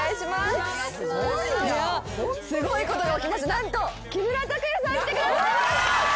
何と木村拓哉さん来てくださいました！